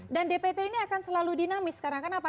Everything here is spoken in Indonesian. dan dpt ini akan selalu dinamis karena kan apa